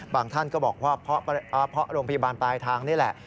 ท่านก็บอกว่าเพราะโรงพยาบาลปลายทางนี่แหละ